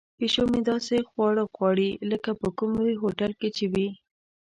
پیشو مې داسې خواړه غواړي لکه په کوم لوی هوټل کې چې وي.